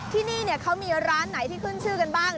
ที่นี่เขามีร้านไหนที่ขึ้นชื่อกันบ้าง